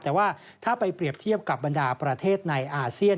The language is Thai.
แต่ว่าถ้าไปเปรียบเทียบกับบรรดาประเทศในอาเซียน